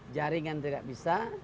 jaringan tidak bisa